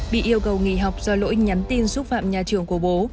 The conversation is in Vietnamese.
bị yêu cầu nghỉ học do lỗi nhắn tin xúc phạm nhà trường của bố